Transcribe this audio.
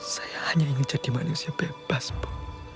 saya hanya ingin jadi manusia bebas bu